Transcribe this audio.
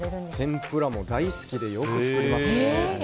天ぷら、大好きでよく作りますね。